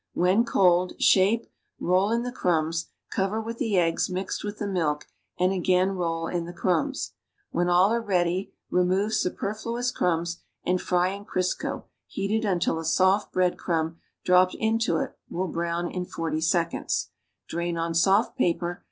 When cold, sliape, roll in the crumbs, cover «ith the eggs mixed with the milk, and again roll in the crumbs. A\ hen all are ready remo\e superfluous crund.>s and fry in Criseo heated until a soft bread crumb dropped into it will brown i?i 40 seconds. Drain on soft paper.